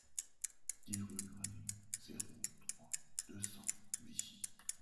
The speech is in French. dix rue Grenet, zéro trois, deux cents, Vichy